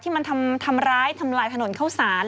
ที่มันทำร้ายถนนเข้าสาน